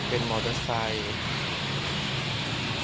เป็นมอเตอร์ไซค์